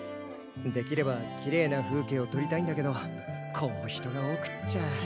できればきれいな風景をとりたいんだけどこう人が多くっちゃ。